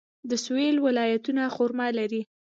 د سویل ولایتونه خرما لري.